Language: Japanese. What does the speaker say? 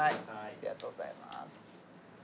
ありがとうございます。